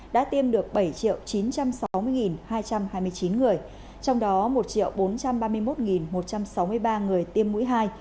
đã tiêm được bảy chín trăm sáu mươi hai trăm hai mươi chín người trong đó một bốn trăm ba mươi một một trăm sáu mươi ba người tiêm mũi hai